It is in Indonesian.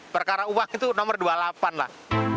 perkara uang itu nomor dua puluh delapan lah